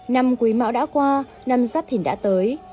năm quý mão đã qua năm giáp thìn đã tới